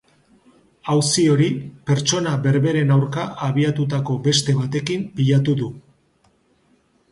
Auzi hori pertsona berberen aurka abiatutako beste batekin pilatu du.